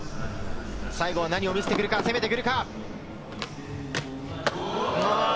最後は何を見せてくるか、攻めてくるか。